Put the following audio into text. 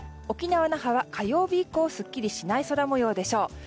沖縄・那覇は火曜日以降すっきりしない空模様でしょう。